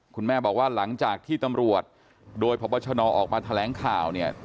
คุณแม่บอกว่าหลังจากที่ตำรวจโดยพบชนออกมาแถลงข่าวเนี่ย